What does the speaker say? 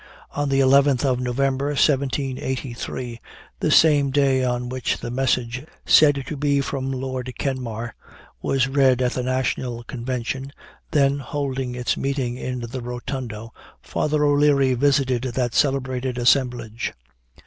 On the 11th of November, 1783, the same day on which the message said to be from Lord Kenmare was read at the National Convention, then, holding its meetings in the Rotundo, Father O'Leary visited that celebrated assemblage.